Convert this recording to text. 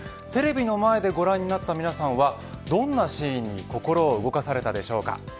テレビの前でご覧になった皆さんはどんなシーンに心を動かされたでしょうか。